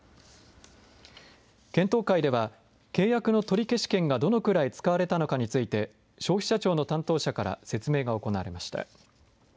検討会では、契約の取消権がどのくらい使われたのかについて、消費者庁の担当者から説明が行われました。